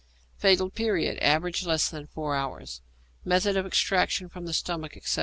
Fatal Period. Average, less than four hours. _Method of Extraction from the Stomach, etc.